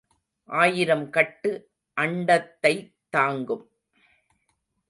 ஆயிரம் கட்டு அண்டத்தைத் தாங்கும்.